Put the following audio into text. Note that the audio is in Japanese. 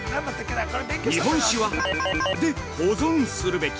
日本酒は○○で保存するべき。